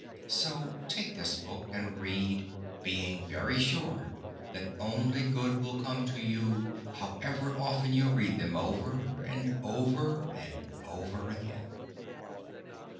So take this book and read, being very sure that only good will come to you however often you read them over and over and over again.